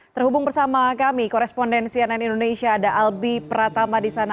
terhubung bersama kami korespondensi ann indonesia ada albi pratama di sana